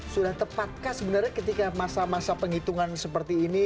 sudah tepatkah sebenarnya ketika masa masa penghitungan seperti ini